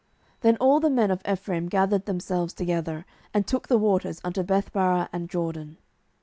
Then all the men of Ephraim gathered themselves together, and took the waters unto Bethbarah and Jordan.